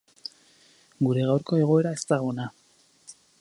Gure gaurko egoera ez da ona.